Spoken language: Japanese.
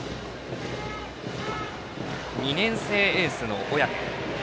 ２年生エースの小宅。